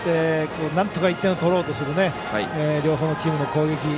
なんとか１点を取ろうとする両方のチームの攻撃